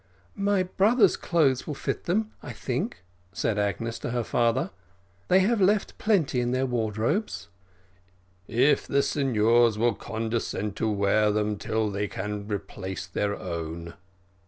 "My brothers' clothes will fit them, I think," said Agnes to her father; "they have left plenty in their wardrobes." "If the signors will condescend to wear them till they can replace their own."